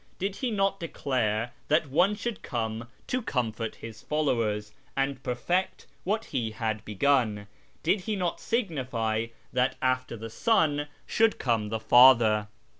Did He not declare that one should come to comfort His followers, and perfect what He had begun ? Did He not signify that after the Son should come the Father